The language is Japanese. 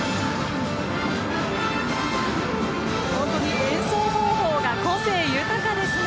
演奏方法が個性豊かですね。